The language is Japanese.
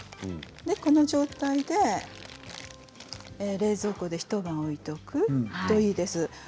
この状態で冷蔵庫で一晩置いておくといいです。